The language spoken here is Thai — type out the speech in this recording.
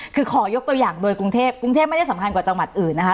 คือขอยกตัวอย่างโดยกรุงเทพกรุงเทพไม่ได้สำคัญกว่าจังหวัดอื่นนะคะ